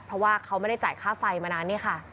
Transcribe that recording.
เพราะว่าเขาไม่ได้จ่ายค่าไฟมานานนี่ค่ะ